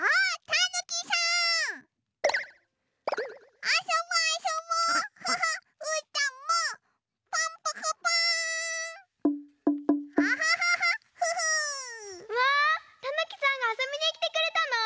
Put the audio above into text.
たぬきさんがあそびにきてくれたの？